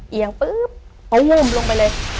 เอียงปึ๊บเอาห่มลงไปเลย